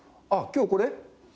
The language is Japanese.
「あっ今日これ？」